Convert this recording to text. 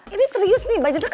ini trius nih baju dia kaya gini